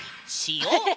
塩⁉